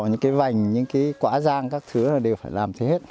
những cái vành những cái quả giang các thứ đều phải làm thế hết